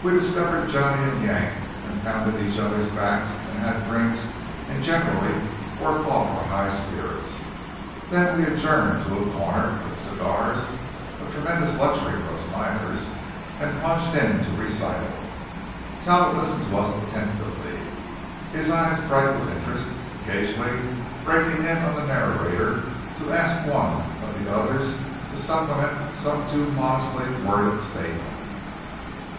We discovered Johnny and Yank, and pounded each other's backs, and had drinks, and generally worked off our high spirits. Then we adjourned to a corner, lit cigars a tremendous luxury for us miners and plunged into recital. Talbot listened to us attentively, his eyes bright with interest, occasionally breaking in on the narrator to ask one of the others to supplement some too modestly worded statement.